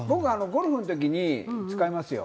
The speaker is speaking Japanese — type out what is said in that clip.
ゴルフの時に使いますよ。